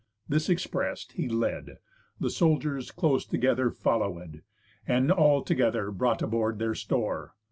This express'd, he led, The soldiers close together followed; And all together brought aboard their store.